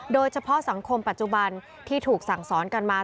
โดยเฉพาะสังคมปัจจุบันที่ถูกสั่งสอนกันมา